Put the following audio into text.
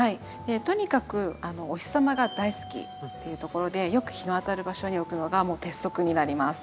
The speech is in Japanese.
とにかくお日様が大好きっていうところでよく日の当たる場所に置くのがもう鉄則になります。